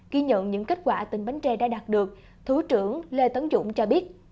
ghi nhận những kết quả tỉnh bến tre đã đạt được thứ trưởng lê tấn dũng cho biết